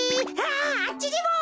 ああっちにも。